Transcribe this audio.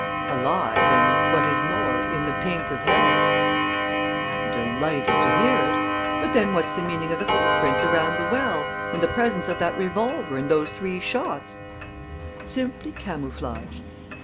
"Alive and, what is more, in the pink of health." "I am delighted to hear it. But then what's the meaning of the footprints around the well and the presence of that revolver and those three shots?" "Simply camouflage."